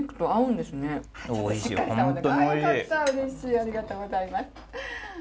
ありがとうございます。